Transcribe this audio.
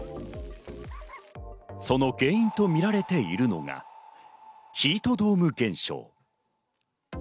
その原因とみられているのがヒートドーム現象。